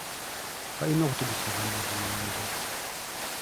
Balina okutegekebwa mu bibinja.